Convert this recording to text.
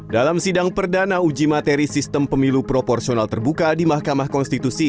dalam sidang perdana uji materi sistem pemilu proporsional terbuka di mahkamah konstitusi